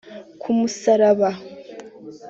Ku musaraba